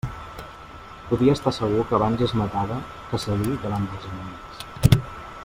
Podia estar segur que abans es matava que cedir davant dels enemics.